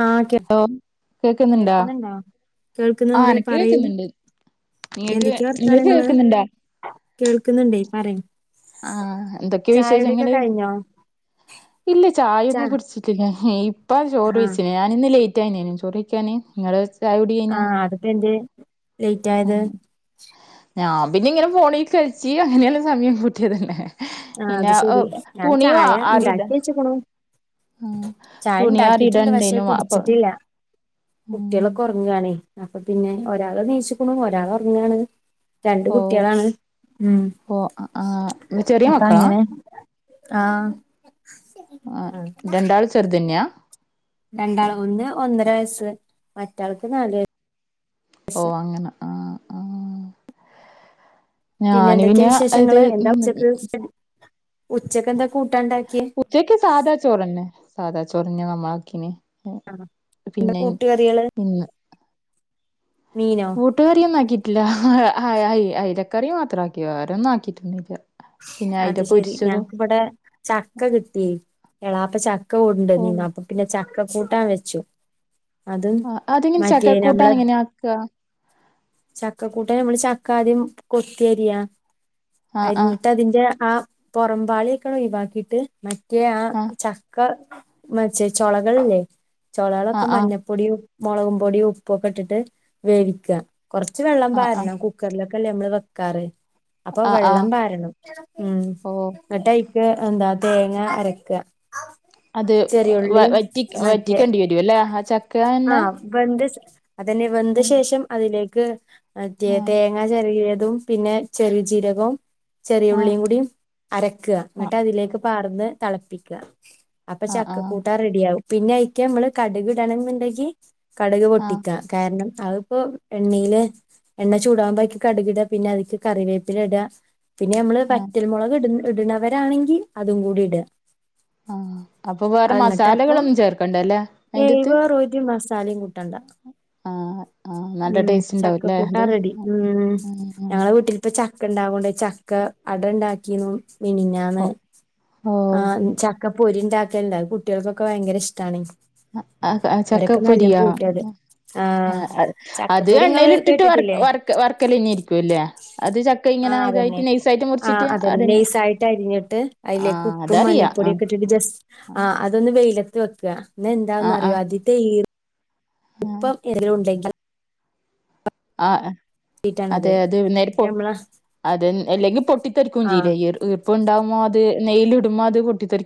ആ കെ കേക്കുന്നുണ്ടാ കേൾക്കുന്നുണ്ടോ ആ കേൾക്കുന്നുണ്ട് എനക്ക് പറയൂ കേക്കുന്നുണ്ട് നിങ്ങക്ക് എന്തൊക്കെ നിങ്ങൾക്ക് വർത്താനങ്ങള് കേക്കുന്നുണ്ടാ കേൾക്കുന്നുണ്ടേയ് പറയ് ആ എന്തൊക്കെ ചായുടിയൊക്കെ വിശേഷങ്ങള് കഴിഞ്ഞോ ഇല്ല ചായ ചാ ഒന്നും കുടിച്ചി പിന്ന ഈ ഇപ്പ ചോറ് ആഹ് വെച്ചിന് ഞാനിന്ന് ലേറ്റ് ആയ്ന് ചോറ് വയ്ക്കാന് നിങ്ങള് ചായ കുടി ആ അത് പ്പെ എന്തേ ലേറ്റ് ആയത് ഉം ഞാൻ പിന്നെ ഇങ്ങനെ ഫോണി കൾച്ച് അങ്ങനെഎല്ലാം സമയം പൂട്ടിയത് അല്ലെ ആ അത് ശെരി ഞാൻ ചായ ണ്ടാക്കി ആറിടാൻ വെച്ചേക്കുണു ആ ചായ തുണി ഇണ്ടാക്കിട്ടുണ്ട് പക്ഷെ ആറിടാനുണ്ടേനു അപ്പൊ കുടിച്ചിട്ടില്ല ഉം കുട്ടികളൊക്കെ ഉറ ങ്ങാണെയ് അപ്പൊ പിന്നെ ഒരാള് നീച്ക്കുണു ഒരാൾ ഉറങ്ങാണ് രണ്ട് ഓ കുട്ടികളാണ് ഉം ഓ ആ ചെറിയ അപ്പം മക്കളാ അങ്ങനെ ആ ആ രണ്ടാളും ചെറുതന്നെയാ രണ്ടാള് ഒന്ന് ഒന്നര വയസ്സ് മറ്റാൾക്ക് നാല് വയ ഓ അങ്ങനെ ആ ആ പിന്നെ ഞാന് എന്തക്കെ അത് വിശേഷങ്ങള് എന്താ ഉം ഉച്ചക്ക് ഉച്ചക്ക് എന്താ കൂട്ടാണ്ടാക്കിയെ ഉച്ചക്ക് സാദാ ചോറ്ന്നെ സാധാ ചോറ്ന്ന നമ്മളാക്കിന എന്താ പിന്നെ ഇൻ കൂട്ടുകറികള് ഇന്ന് മീനോ കൂട്ടുകറിയൊന്നും ആക്കിട്ടില്ല അയ് അയ് അയ്ലക്കറി മാത്രം ആക്കി വേറൊന്നും ആക്കിട്ടൊന്നുല്ല പിന്നെ അയില അത് ശെരി പൊരിച്ചതും ഞങ്ങക്കിവിടെ ചക്ക കിട്ടി എളാപ്പ ചക്ക ഓ കൊണ്ടന്നീന്നു അപ്പ പിന്നെ ചക്ക കൂട്ടാൻ വെച്ചു അതും ആ അതെങ്ങനെ മറ്റേ ചക്ക കൂട്ടാൻ നമ്മള് എങ്ങന ആക്കാ ചക്കക്കൂട്ടന് നമ്മള് ചക്ക ആദ്യം കൊത്തിയരിയാ ആ ആ അരിഞ്ഞിട്ട് അതിന്റെ ആ പോറമ്പാളിയൊക്കണ ഒഴിവാക്കിട്ട് മ ഒക്കെ ആ ചക്ക മറ്റേ ചൊളകളില്ലേ ആ ചൊളകളൊക്കെ ആ മഞ്ഞ പൊടിയും മൊളക് പൊടിയും ഉപ്പ് ഒക്കെ ഇട്ടിട്ട് വേവിക്കുക കുറച്ച് വെള്ളം ആ പാരണം കു കുക്കറിലൊക്കെ അല്ലെ നമ്മള് വെക്കാറ് അപ്പൊ ആ ആ ആ വെള്ളം പാരണം ഉം ഓ എന്നിട്ടൈക്ക് എന്താ തേങ്ങ അരക്ക അത് വ വറ്റി വറ്റിക്കേണ്ടി വരും അല്ലേ ആ ചക്കാന്നെ വെന്ത് സ് അതന്നെ വെന്ത് ശേഷം അതിലേക്ക് മറ്റേ ആ തേങ്ങ ചെരകിയതും പിന്നെ ചെറിയ ജീരകവും ചെറിയ ആ ഉള്ളിയും കൂടി അരക്കുക ആ എന്നിട്ട് അതിലേക്ക് പാർന്ന് തിളപ്പിക്കുക അപ്പൊ ആ ആ ചക്കക്കൂട്ട ആ റെഡിയാവും പിന്നെ അയ്ക്കമ്മള് കട്ക്ടണംന്ന്ണ്ടെങ്കി കട്ക് ആ പൊട്ടിക്കാ കാരണം അതിപ്പോ എണ്ണയില് എണ്ണ ചൂടാവുമ്പയ്ക്ക് കട് കിട പിന്നെ അതിക്ക് കറിവേപ്പില ടാ പിന്നെ അമ്മള് ആ വറ്റൽ മൊളക് ഇട് ഇട്ണവരാണെങ്കി അതും കൂടി ഇടാ ആഹ് അപ്പൊ വേറെ അങ്ങിട്ട് അപ്പൊ മസാലകളൊന്നും ചേർക്കണ്ടല്ലേ ഏഹ് അയിന്റെത്ത് [unintelligible] മസാലയും കൂട്ടണ്ട ആഹ് ആഹ് നല്ല ഉം ടേസ്റ്റ് ചക്ക ഉണ്ടാവുംല്ലേ അത് കൂട്ടാറെഡി ഉം ആഹ് ഞങ്ങളെ വീട്ടിൽ പ്പം ചക്കണ്ടാവോണ്ടേ ചക്ക അടണ്ടാക്കി ന്നും പിന്നെ ഞാന് ആ ഓഹ് ചക്കപ്പൊരി ഉണ്ടാക്കല്ല കുട്ടികൾക്കൊക്കെ ഭയങ്കര ഇഷ്ടാണ് ആഹ് ചക്ക ഓരൊക്കെ നല്ലോം ഉപ്പേരിയാ കൂട്ടും അത് ആഹ് അത് ചക്കപ്പൊരി ഇങ്ങള് എണ്ണയില്ട്ട്ട്ട് വർ കേട്ടിട്ടില്ലേ വർക്ക വർക്കലെന്നെര്ക്കൂല്ലേ. അത് ച ആഹ്, അതെന്നെ ആഹ് അതെന്നെ അതന്നെ നെയ്സായിട്ട് അരിഞ്ഞിട്ട് അയിലേക്ക് ആഹ് ഉപ്പും അതറിയാ ആഹ് മഞ്ഞപ്പൊടിയൊക്കെ ഇട്ടിട്ട് ജസ് ആഹ്, അതൊന്ന് വെയിലത്ത് വെക്കാ ആഹ് ന്നാന്താന്നറിയോ ആഹ് അതിത്തെ ഈർ ആഹ് ഉപ്പം [unintelligible] ഉണ്ടെങ്കിൽ ആഹ്, ട്ടാണത് അതെ അത് നേര്പ്പോ നമ്മള അത് അല്ലെങ്കി പൊട്ടിത്തെറിക്കും ആഹ് ചെയ്യും ഇർപ്പ് ഇണ്ടാവുമോ അത് നെയ്യിൽ ഇടുമ്പോ അത് പൊട്ടിത്തെറി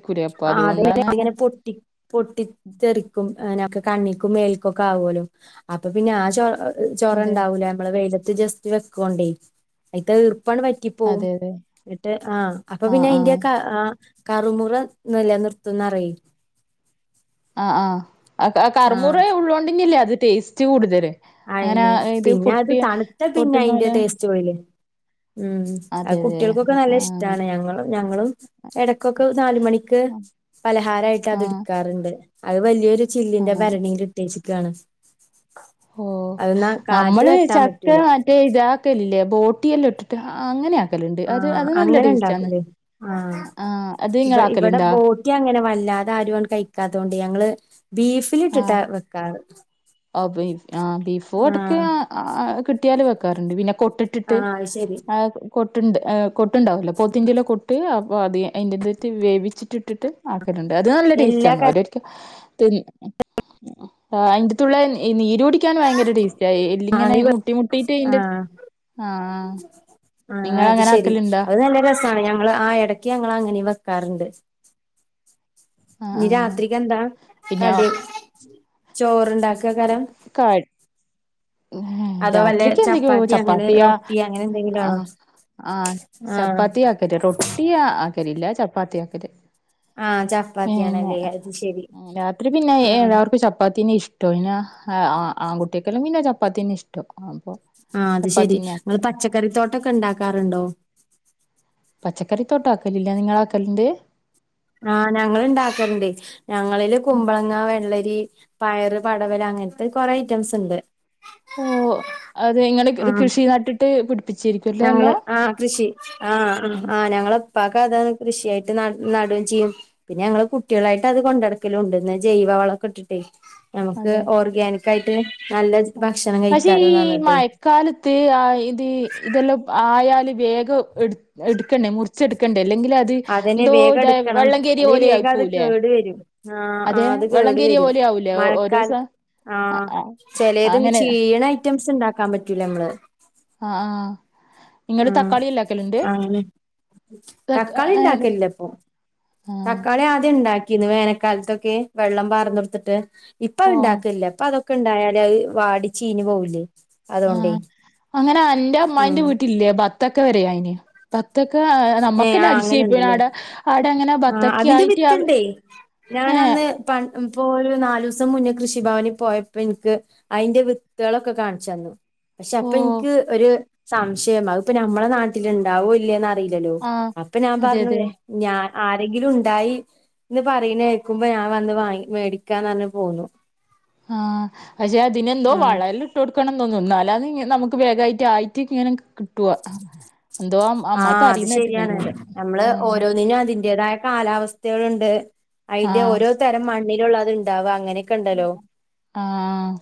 ആഹ് അതെ [unintelligible] അങ്ങനെ പൊട്ടി പൊട്ടിത്തെറിക്കും അനെ അഒക്കെ കണ്ണിക്കും മേൽക്കുംക്കെ ആവോലോ അപ്പൊ പിന്നെ ആ ശോ അതെ ചൊറുണ്ടാവൂല നമ്മള് വെയിലത്ത് ജസ്റ്റ് വെക്കോണ്ടേ തീർപ്പാണ് പ റ്റിപോവും, അതെ അതെ ന്നട്ട് ആഹ് അപ്പൊ പിന്നെ ആഹ് അയിന്റെ ആഹ് കാ ആ കറുമുറ ന്നുല്യ, നിർത്തുംന്ന് അറിയി ആഹ്, ആഹ് ആ ക ആ ആഹ് കർമുറേ ഉള്ളോണ്ടിന്ന്യല്ലേ അത് ടേസ്റ്റ് കൂട്തല്. അയിനെ പിന്നെ അത് തണുത്താ പിന്നെ പൊട്ടുന്ന അയിന്റെ പോലെ ടേസ്റ്റ് പോയില്ലേ ഉം, അതെ അയ് അതെ കുട്ട്യൾക്കൊക്കെ നല്ല ആഹ് ഇഷ്ടാണ് ഞങ്ങളും ഞങ്ങളും എടക്കൊക്കെ നാലുമണിക്ക് പലഹാരായിട്ട് ആഹ് അത്ട്ക്കാറ്ണ്ട്. അത് വലിയൊരു ചില്ലിന്റെ അങ്ങനെ ഭരണീല് ട്ടേച്ച്ക്കാണ്. ഓഹ് കാറ്റ് നമ്മള് തട്ടാൻ ചക്ക പറ്റൂല മറ്റേത ഒക്കല്ലേ ബോട്ടിെല്ലാം ഇട്ടിട്ട് അങ്ങനെയാ ആക്കല്ണ്ട് അത് ആഹ് അത് നല്ല അങ്ങനെ ടേസ്റ്റാന്ന്. ഇണ്ടാക്കൂലേ ആഹ് അത് ഇങ്ങളാക്കല്ണ്ടാ. ട്ട്യാങ്ങനെ വല്ലാതെ ആരുആണ്ട് കഴിക്കാത്തോണ്ട് ഞങ്ങള് ബീഫിലിട്ടിട്ടാ വെക്കാറ്. ആഹ് ബീഫോ എട്ക്കെ ആഹ് കിട്ടിയാല് വെക്കാറുണ്ട് പിന്നെ കൊട്ടിട്ടിട്ട് ആഹ് അത് ശരി കൊട്ടണ്ട് കൊട്ടുണ്ടാവല്ലോ പോത്തിൻ്റെ കൊ ട്ട് അപ്പോ. അതി അയ്ൻ്റെ ത്റ്റ് വേവിച്ചിട്ട് ട്ട്ട്ട് ആക്കല്ണ്ട്. അതൂ നല്ല എല്ലാ ടേസ്റ്റാന്ന്. കര ഓരോര് അന്റെത്തുള്ള നീരു യ്ക്കാൻ ഭയങ്കര ടേസ്റ്റാ ഈ എല്ലിങ്ങനെ മുട്ടി മുട്ടീട്ട് ഈൻ്റെ ആഹ് ആഹ് ആഹ് നിങ്ങളങ്ങനാക്കല്ണ്ടാ? [unintelligible] ഞങ്ങൾ ആ എടയ്ക്ക് ഞങ്ങളങ്ങനിം വെക്കാറ്ണ്ട്. ആ ആ ഇ രാത്രിക്ക് എന്താ പിന്നെ കടി ചോറ്ണ്ടാക്ക കാരം കാ ഏഹ്, അതോ വല്ല രാത്രിയ്ക്ക് എന്തെങ്കി ഉം ചപ്പാത്തി അങ്ങനെ ചപ്പാത്തിയാ റൊട്ടി അങ്ങനെ എന്തെങ്കിലും ആണോ ആഹ്. ആഹ് ആഹ് ചപ്പാത്തി ആക്കില്ല റൊട്ടിയാ ആക്കല് ഇല്ല ചപ്പാത്തിയാക്കല് ആഹ് പിന്നെ, ചപ്പാത്തിയാണല്ലേ അത് ശരി ആഹ് രാത്രി പിന്നെ ആഹ് ഏഴാല്ലാവർക്ക് ചപ്പാത്തിന്നെ ഇഷ് ഇഷ്ടൊ പിന്നാ ആഹ് ആ ആൺകുട്ട്യേക്കെല്ലാം പിന്നെ ചപ്പാത്തിന്നെ ഇഷ്ടം. അപ്പൊ ആ അത് ശരി ചപ്പാത്തിന്നെ നിങ്ങള് ആക്കല് പച്ചക്കറിത്തോട്ടൊക്കെ ഉണ്ടാക്കാറുണ്ടോ പച്ചക്കറി തോട്ടം ആക്കലില്ല, നിങ്ങളാക്കല്ണ്ട്. ആഹ് ഞങ്ങള്ണ്ടാക്കല്ണ്ട് ഞങ്ങളില് കുമ്പളങ്ങ വെള്ളരി പയറ് പടവലം അങ്ങനത്തെ കുറെ ഐറ്റംസ് ഉണ്ട് ഓഹ്, അത് ഇങ്ങള് കൃ ആഹ് കൃഷി നട്ടിട്ട് പിടിപ്പിച്ചിരിയ്ക്കും. ഞങ്ങള് ആ കൃഷി ആ ആ ഞങ്ങള് പ്പാക്ക് അതാണ് കൃഷിയായിട്ട് ന നടുകയും ചെയ്യും പിന്നെ ഞങ്ങള് കുട്ടികളായിട്ട് അത് കൊണ്ട് നടക്കലും ഉണ്ട് ന്ന ജൈവ വളൊക്കെ ഇട്ടിട്ടേയ് നമുക്ക് അതെ ഓർഗാനിക്കായിട്ട് നല്ല ഭക്ഷണം കഴിക്കാല്ലോന്ന് പറഞ്ഞിട്ടേയ് ഇകാലത്ത് ആ ഇത് ഇതെല്ലാം ആയാല് വേഗം എടുത്ത് എടുക്കണ്ടേ മുറിച്ചെടുക്കണ്ടേ അല്ലെങ്കിൽ അ അതന്നെ വേഗം എടുക്കണം അല്ലെങ്കിൽ വേഗം അത് ആയിപ്പോവൂലേ കേടുവരും. ആഹ് അതെ ആഹ് അത് വെള്ളം കേറിയ കേടുവരും പോലെ ആവൂലേ ഓ- ഓരോ സ മഴക്കാലത്ത് ആ ആഹ് ആ ചെലേത് അങ്ങനെ ചീയണ ഐറ്റംസ് ഉണ്ടാക്കാൻ പറ്റൂല നമ്മള് ആഹ് ആഹ് നിങ്ങൾ ആ തക്കാളി ഇല്ലാക്കൽണ്ട് അങ്ങനെ തക്ക് തക്കാളി ഉണ്ടാക്കലില്ല ഇപ്പൊ തക്കാളി ആദ്യം ഉണ്ടാക്കിന്ന് വേനൽക്കാലത്തൊക്കെ വെള്ളം പാർന്ന് കൊടുത്തിട്ട് ഇപ്പ ഓ ആത് ഇണ്ടാക്കലില്ല ഇപ്പൊ അതൊക്കെ ഇണ്ടായാല് അത് വാടിച്ചീഞ്ഞ് പോവൂലേ ആഹ് അങ്ങനെ അന്റെ അമ്മായിന്റെ വീട്ടിലില്ലേ ബത്തക്ക വരെയായിന് ബത്തക്ക ഏഹ് നമ്മുക്ക്ന്നെ ആഹ് അങ്ങനെ അതിശയായിപോയിന് ഇണ്ട്ല്ലേ ആടെ ആടെ ങ്ങനെ ആഹ് അതിന്റെ വിത്ത്ണ്ടേയ് ഞാൻ ഏ അന്ന് പണ്ട് ഇപ്പോൾ ഒരു നാല് ദിവസം മുന്നേ കൃഷിഭവനിൽ പോയപ്പോ ഇന്ക്ക് അയിന്റെ വിത്ത്ളൊക്കെ കാണിച്ചുതന്നു പക്ഷെ അപ്പൊ ഓ ഇന്ക്ക് ഒരു സംശയം അത് പ്പൊ നമ്മളെ നാട്ടിൽ ഉണ്ടാവോ ഇല്ലേന്നാണ് അല്ലല്ലോ ആഹ് അപ്പൊ ഞാൻ അതെ പറഞ്ഞു അതെ ഞാൻ ആരെങ്കിലും ഉണ്ടായി എന്ന് പറയുന്ന കേക്കുമ്പോ ഞാൻ വന്ന് വാങ്ങി മേടിക്കാന്ന് പറഞ്ഞു പോന്നു ആഹ് പക്ഷെ അതിനെന്തോ ആഹ് വളല് ഇ കൊടുക്കണം തോന്നുന്നു [unintelligible] നമുക്ക് വേഗായിട്ട് ആയിട്ട് ഇങ്ങനെ കിട്ടുവ എന്തോ അം അമ്മായി ആഹ് അത് പറയുന്ന കേട്ടിന് ശരിയാണ് ഇന്നലെ നമ്മള് ആഹ് ഓരോന്നിനും അതിന്റതായ കാലാവസ്ഥകളുണ്ട് അയിന്റെ ആഹ് ഓരോ തരം മണ്ണിലുള്ളത് ഉണ്ടാവ അങ്ങനെ ആഹ്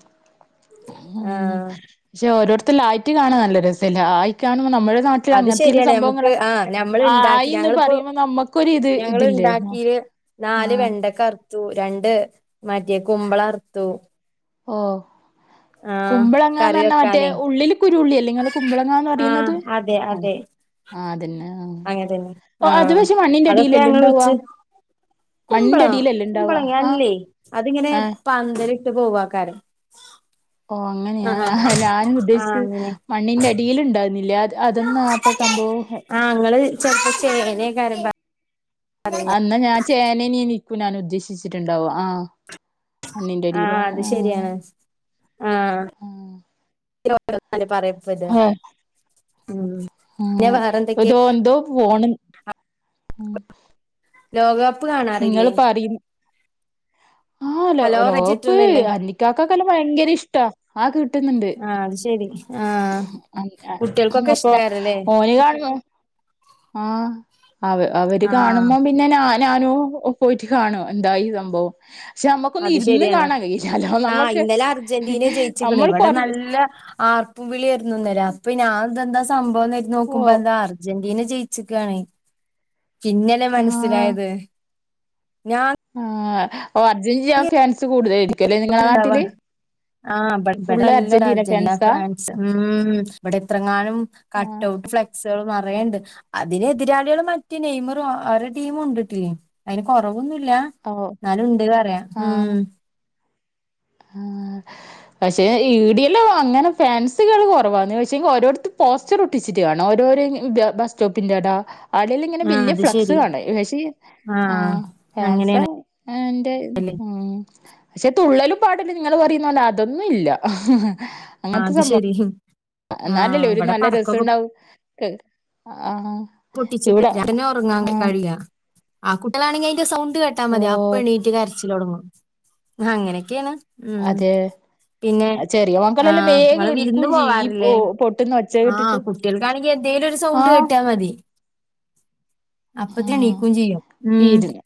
ഉം ആഹ് പക്ഷെ ഓരോരുത്തർ ആയിട്ട് കാണാൻ നല്ല രസല്ലേ ആയികാണുമ്പോ നമ്മുടെ നാട്ടിൽ അത് അങ്ങനത്തെയുള്ള ശരിയാണ് നമുക്ക് സംഭവങ്ങള് ആ ഞമ്മള് ഉണ്ടാക്കി ആയിന്ന് ഞങ്ങളിപ്പോ പറയുമ്പോ നമ്മക്കൊരു ഇത് ഞങ്ങള് ഇതില്ലേ ഉണ്ടാക്കിയില് നാല് ആഹ് വെണ്ടക്ക അറുത്തു രണ്ട് മറ്റേ കുമ്പള അറ്ത്തു ഓ കുമ്പളങ്ങാന്ന് കറി പറഞ്ഞാ മറ്റേ വെക്കാനേ ഉള്ളില് കുരു ഉള്ളെ ല്ലേ ങ്ങൾ കുമ്പിളങ്ങാന്ന് ആ പറയുന്നത് അതെ ആഹ് അതെ അതന്നെ അങ്ങനെ തന്നെ ആ അത് പക്ഷെ മണ്ണിന്റെ അതൊക്കെ അടീലല്ലേ ഞങ്ങള് ഇണ്ടാവാ വെച്ച് കുമ്പളം മണ്ണിന്റെടിയിലല്ലേ ഉണ്ടാവ കുമ്പളങ്ങ ആഹ് അല്ലേ അതിങ്ങനെ ആഹ് പന്തലിട്ട് പോവാകാരം ഓ അങ്ങനെയാ ഞാൻ ആ ഉദ്ദേശിച്ചത് അങ്ങനെ മണ്ണിന്റെ അടിയിൽ ഉണ്ടാകുന്നില്ലേ അത് അതെന്നാ അപ്പൊ സംഭവം ആഹ് ഇങ്ങൾ ചെലപ്പോ ചേനേക്കാരം പറ് എന്നാ ഞാൻ ചേനനെന്നേക്കും ഞാൻ ഉദ്ദേശിച്ചിട്ടുണ്ടാവ ആഹ് മണ്ണിന്റെ ആ അടിയില് അത് ശരിയാണ് ആഹ് ആഹ് പറയും ആഹ് ഉം പിന്നെ ആഹ് വേറെന്തൊക്കെയ എന്തോ പോണ് ഉം ലോകകപ്പ് കാണാറില്ലേ? പറയും ആഹ് ലോ ഹലോ ലോക റേഞ്ച് കപ്പ് കിട്ടുന്നില്ലേ? എന്റിക്കാക്കെല്ലാം ഭയങ്കര ഇഷ്ട ആൾക്ക് കിട്ടുന്നുണ്ട് ആഹ് അത് ശരി ആഹ് അ കുട്ടികൾക്കൊക്കെ അപ്പൊ ഇഷ്ടായിരുന്നല്ലേ? ഓൽ കാണുന്നു ആഹ് അവ അവര് ആഹ് കാണുമ്പോ പി പിന്നെ ഞാനു പോയിട്ട് കാണും എന്തായി സംഭവം പക്ഷെ നമ്മുക്കൊന്നും അത് ഇരുന്ന് ശെരിയാണ്. കാണാൻ കഴിയില്ല അല്ല ആഹ് നമ്മുക്ക് നമ്മൾ കൊറച്ച് ഇല്ല ആർപ്പും വിളിയിരുന്നുന്നലെ അപ്പൊ ഞാൻ എന്താ സംഭവം ഓ നോക്കുമ്പോ എന്താ അർജന്റീന ജയിച്ച ച് ക്കാണ് പിന്നല്ലേ മനസ്സിലായത് ഞാൻ ആഓ അർജന്റീന ഫാൻസ് കൂടുതലായിരിക്കുംല്ലേ നിങ്ങളെ നാട്ടില് ആ ഇബടെ ഫുള്ള് നല്ല അർജന്റീന ഫാൻസാ ഫ്രാൻസ് ഉം ഇവിടെ എത്രങ്ങാനും ആഹ് കട്ട്ഔട്ട് ഫ്ലെക്സാള് നറേണ്ട് അതിന് എതിരാളികള് മറ്റെ നെയ്മറും അവരെ ടീമുണ്ട് ട്ട്ന് അയ്ന് കൊറവൊന്നുല്ല ഓ ന്നാലുണ്ട് പറയാ ആഹ് ഉം പക്ഷെ ഇടെല്ലാം അങ്ങനെ ഫാൻസുകള് കൊറവാന്ന് പക്ഷെങ്കി ഓരോട്ത്ത് പോസ് ച്ചറൊച്ചിട്ട് കാണാ ഓരോരെ ബസ് സ്റ്റോപ്പിന്റടാ ആടെല്ലങ്ങനെ ആ വല്യ അത് ഫ്ലക്സ് ശരി കാണ പക്ഷേ ആ ഫാൻസ അങ്ങനെയാണ് ന്റെ ഉം ക്ഷെ തുള്ളലും പാടലും ങ്ങള് പറയുന്നോലെ അതൊന്നും ല്ല അത് ശെരി ഹ് ന്നാലല്ലേ ഒരു നല്ല രസണ്ടാവു ക് ആ പൊട്ടിച്ചിട്ട് ല്ല ങ്ങനെ ഒറങ്ങാൻ കഴിയാ ആ കുട്ട്യാണാങ്കി അയ്ന്റെ സൗണ്ട് കേട്ടാ മതി അ ഓഹ് പ്പണീറ്റ് കരച്ചിലൊടങ്ങും അങ്ങനൊക്കേണ് അതെ ചെറിയ ആ മക്കളെല്ലാം വേഗം നിങ്ങള് എണീക്കു വിരുന്ന് ചെയ്യും ഈ പൊട്ട്ന്നൊച്ച കേട്ട്ട്ട് ട്ട്യാൾക്കാണെങ്കി എന്തേലൊരു സൗണ്ട് കെട്ട്യാ മതി അപ്പത്തെണീക്കും ചെയ്യും ഉം ഇര്ന്ന്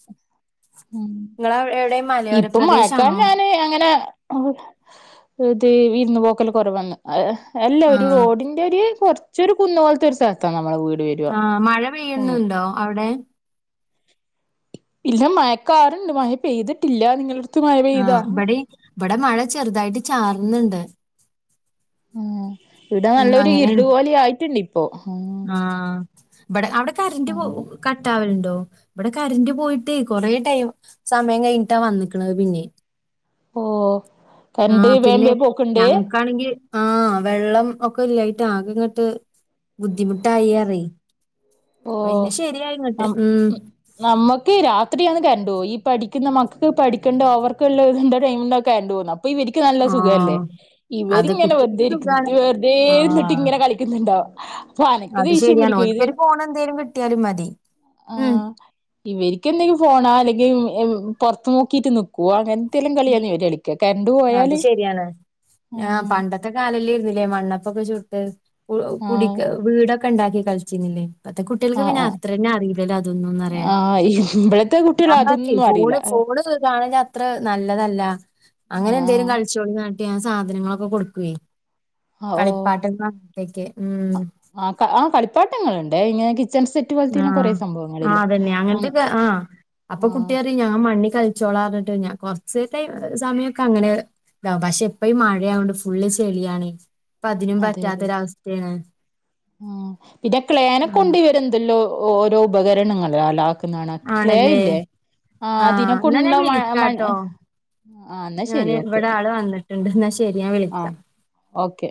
നിങ്ങളെ എവിടെ മലയോര ഇപ്പം പ്രദേശാണോ മയക്കാലം ഞാന് അങ്ങനെ ഇത് ഇരുന്ന് പോക്കല് കുറവന്ന് അല്ല ആ ഒരു റോഡിങ് രു കൊർച്ചൊരു കുന്ന് പോലത്തൊരു സ്ഥലത്താ നമ്മടെ വീട് വ- ആ മഴ പെയ്യ്ന്നുണ്ടോ അവടെ ഇല്ല മയക്കാർണ്ട് മഴ പെയ്ത്ട്ട്ല്ല നിങ്ങള- ആ ഇവടിം ഇവടെ മഴ ചെറുതായിട്ട് ചാർന്ന്ണ്ട് ഉം ഇടെ ഉം നല്ലൊരു ഇരുട്പോലായിട്ട്ണ്ട് പ്പോ ആ ഇവടെ അവടെ കറന്റ് കട്ടാവൽണ്ടോ ഇവടെ കറന്റ് പോയിട്ടേ കൊറേ ടൈം സമയം കഴിഞ്ഞിട്ടാ വന്ന്ക്ക്ണത് പിന്നെ ഓ ആ കറണ്ട് വേം പിന്നെ വേം പോക്ക്ണ്ട് ഞങ്ങക്കാണെങ്കി ആ വെള്ളം ഒക്കെ ഇല്ലായിട്ട് ആകെങ്ങട്ട് ബുദ്ധിമുട്ടായി അറി ഓ പിന്നെ ശെരിയായിങ്ങട്ട് നം ഉം നമ്മക്ക് രാത്രിയന്ന് കറന്റോവ ഈ പഠിക്കുന്ന മക്കക്ക് പഠിക്കണ്ട ഓവർക്കള്ള തിന്റെ ടൈമിന്ന കറന്റോക്ന്നെ പ്പൊ ഇവര്ക്ക് നല്ല സുഖല്ലേ ആഹ് അത് ഇവരിങ്ങനെ കുട്ടികൾക്ക് വെറുതെ സുഖാണ്. വെറുതെര്ന്ന്ട്ട് ആഹ് ങ്ങനെ കളീ - ക്ക്ന്ന്ണ്ടാവും അത് ശെരിയാണ് ഓല്ക്കൊഒരു ഫോണെന്തെലും കിട്ടിയാലും മതി ആ ഉം ഇവര്ക്കെ ന്തെങ്കിലും ഫോണോ അല്ലെങ്കി പൊർത്ത് നോക്കിട്ട് നി കുവാ അങ്ങെൻത്തെല്ലം കളിയാന്ന് ഇവര് കളിക്ക കര്ണ്ട് പോയാല് ത്തെ കാലല്ലേര്ന്നില്ലേ മണ്ണപ്പൊക്കെ ചുട്ട് കു കുടി ആഹ് വീടൊക്കെ ണ്ടാക്കി കളിച്ചിരുന്നില്ലേ ഇപ്പത്തെ കുട്ട്യാൾക്ക് ആഹ് പിന്നെ ആഹ് അത്രെന്നെ അറിയില്ലല്ലോ അതൊന്നുംന്നറിയ ആഹ് ഇവിടത്തെ കുട്ടികൾ ഞാൻ പർഞ്ഞേ അതൊന്നും അറിയില്ല ഫോണ് ഫോണ് കാണലാ ത്ര നല്ലതല്ല അങ്ങനെന്തെലും ആഹ് കളിച്ചോളിന്ന് ർഞ്ട്ട് ഞാൻ സാധനങ്ങളൊക്കെ കൊടുക്കേ ഓഹ് കളിപ്പാട്ട [unintelligible] ഉം ആ ആ കളിപ്പാട്ടങ്ങൾണ്ട് ഇങ്ങനെ കിച്ചൺ സെറ്റ് ആ പോലത്തെല്ലാം കൊറേ ആ സംഭവങ്ങളില്ലേ അതെന്നെ ആഹ് അങ്ങൻത്തൊക്കെ ആ അപ്പൊ ആഹ് കുട്ടിറി ഞാൻ മണ്ണ് കളിച്ചോളാ പർഞ്ട്ട് കൊർച്ച് ടൈം സമയ ക്കങ്ങനെ ഇതാവും പക്ഷെ ഇപ്പീ മഴയായോണ്ട് ഫുള്ള് ചെളിയാണ് ഇപ്പതിനും പറ്റാത്തൊരവസ്ഥ ഏണ് ആ പിന്നെ ആഹ് ക്ലേനക്കൊണ്ടിവരെന്തല്ലോ ഓരോ ഉപകരണങ്ങ [unintelligible] ആണല്ലേ ക്ലേല്ലേ ആ ആഹ് അതിനെക്കൊൺ എന്നാ ഞാൻ മൺ മ ഞാൻ ശരി ഓക്കെ ഇവടാള് വന്ന്ട്ട്ണ്ട് ന്നാ ശെരി ഞാൻ വിളിക്കാ ആഹ് ഓക്കെ